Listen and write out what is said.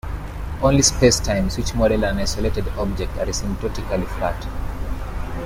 Only spacetimes which model an isolated object are asymptotically flat.